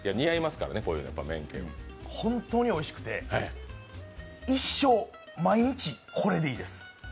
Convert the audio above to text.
本当においしくて、一生、毎日これでいいです。